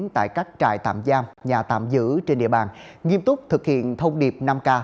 tại các trại tạm giam nhà tạm giữ trên địa bàn nghiêm túc thực hiện thông điệp năm k